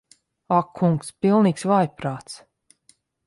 Ak kungs. Pilnīgs vājprāts.